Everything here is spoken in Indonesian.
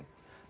tapi ada yang